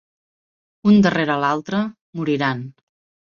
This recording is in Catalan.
Un darrere l'altre, moriran.